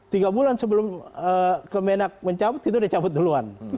tiga bulan sebelum kemenak mencabut itu dicabut duluan